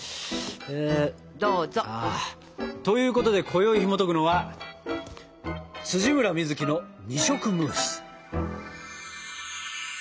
どうぞ。ということでこよいひもとくのは「村深月の二色ムース」。